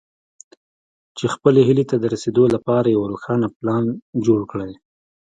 چې خپلې هيلې ته د رسېدو لپاره يو روښانه پلان جوړ کړئ.